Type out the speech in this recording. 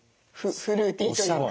フルーティーというか。